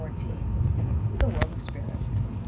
THE WORLD OF SPIRITS.